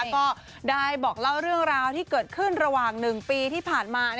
ก็ได้บอกเล่าเรื่องราวที่เกิดขึ้นระหว่าง๑ปีที่ผ่านมา